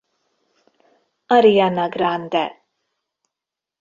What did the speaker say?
Ariana Grande.